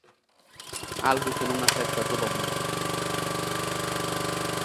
Algo que non acepta todo o mundo.